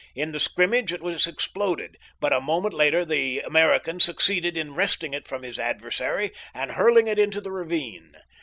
In the scrimmage it was exploded, but a moment later the American succeeded in wresting it from his adversary and hurled it into the ravine.